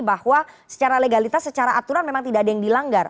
bahwa secara legalitas secara aturan memang tidak ada yang dilanggar